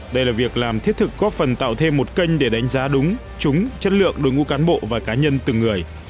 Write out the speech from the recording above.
đây là việc làm thiết thực góp phần tạo thêm một kênh để đánh giá đúng trúng chất lượng đối ngũ cán bộ và cá nhân từng người